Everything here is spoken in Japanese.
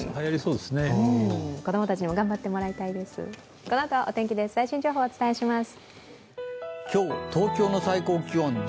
子供たちにも頑張ってもらいたお天気です。